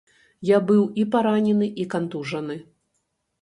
Я быў і паранены, і кантужаны.